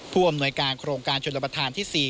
พรวมหน่วยการโครงการชนระบทานที่๔